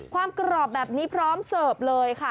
กรอบแบบนี้พร้อมเสิร์ฟเลยค่ะ